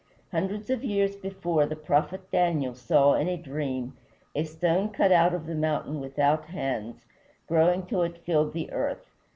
Hundreds of years before, the prophet Daniel saw, in a dream, a stone cut out of the mountain without hands, growing till it filled the earth.